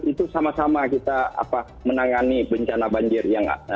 itu sama sama kita menangani bencana banjir yang terjadi di aceh